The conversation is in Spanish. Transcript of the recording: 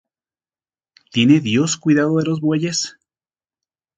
¿Tiene Dios cuidado de los bueyes?